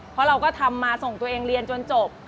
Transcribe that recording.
เพราะเราก็ทำมาส่งตัวเองเรียนจนจบ